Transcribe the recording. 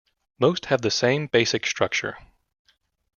Most have the same basic structure.